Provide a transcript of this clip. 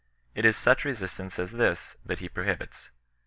It is such resistance as this that he prohibits.